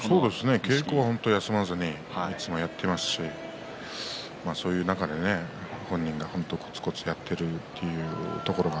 稽古はいつも休まずにやっていますしそういう中で本人がこつこつやっているというところが